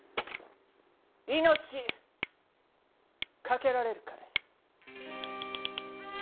命懸けられるかい？